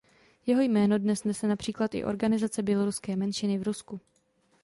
Jeho jméno dnes nese například i organizace běloruské menšiny v Rusku.